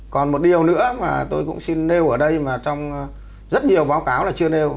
còn một điều nữa mà tôi cũng xin nêu ở đây mà trong rất nhiều báo cáo là chưa nêu